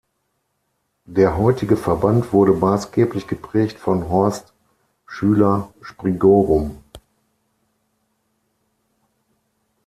Der heutige Verband wurde maßgeblich geprägt von Horst Schüler-Springorum.